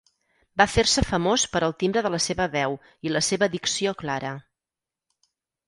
Va fer-se famós per al timbre de la seva veu i la seva dicció clara.